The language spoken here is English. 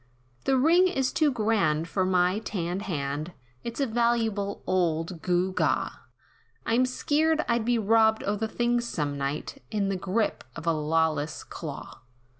"The ring is too grand, for my tanned hand, It's a valuable old gew gaw, I'm skeered, I'd be robbed o' the thing some night, In the grip of a lawless claw.